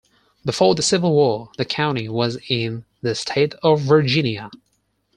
Before the Civil War, the county was in the State of Virginia.